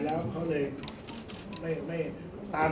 ก็จะเสียชีวิตโดย